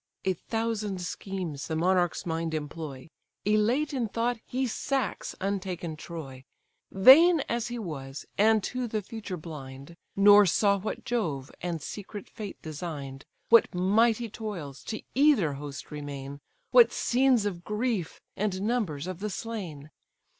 A thousand schemes the monarch's mind employ; Elate in thought he sacks untaken Troy: Vain as he was, and to the future blind, Nor saw what Jove and secret fate design'd, What mighty toils to either host remain, What scenes of grief, and numbers of the slain!